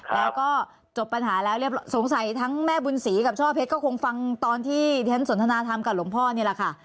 แล้วก็จบปัญหาแล้วเรียบร้อยสงสัยทั้งแม่บุญศรีกับช่อเพชรก็คงฟังตอนที่ที่ฉันสนทนาธรรมกับหลวงพ่อนี่แหละค่ะ